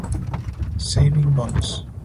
Savings Bonds".